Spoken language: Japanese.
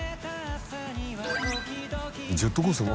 ジェットコースター？